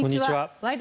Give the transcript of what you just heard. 「ワイド！